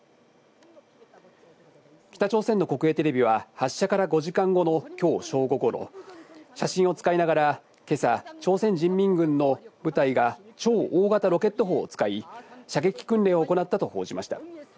北朝鮮の国営テレビは、発射から５時間後のきょう正午ごろ、写真を使いながら、けさ、朝鮮人民軍の部隊が超大型ロケット砲を使い、射撃訓練を行ったと報じました。